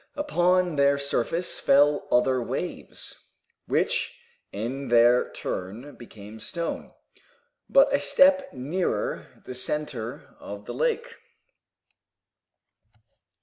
Upon their surface fell other waves, which in their turn became stone, but a step nearer the center of the lake.